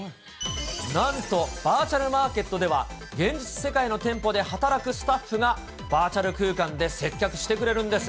なんと、バーチャルマーケットでは、現実世界の店舗で働くスタッフが、バーチャル空間で接客してくれるんです。